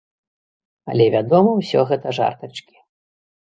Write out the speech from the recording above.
Але вядома, усё гэта жартачкі.